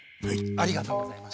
ありがとうございます。